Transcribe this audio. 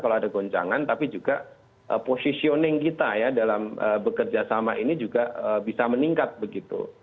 kalau ada goncangan tapi juga positioning kita ya dalam bekerja sama ini juga bisa meningkat begitu